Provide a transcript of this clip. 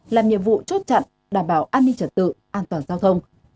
làm nhiệm vụ chốt chặn đảm bảo an ninh trật tự an toàn giao thông